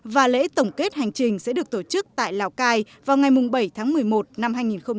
và lễ tổng kết hành trình sẽ được tổ chức tại lào cai vào ngày bảy tháng một mươi một năm hai nghìn một mươi chín